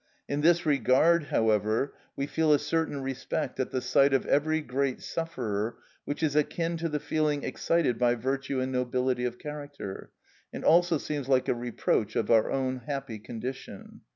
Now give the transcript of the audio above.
In this regard, however, we feel a certain respect at the sight of every great sufferer which is akin to the feeling excited by virtue and nobility of character, and also seems like a reproach of our own happy condition.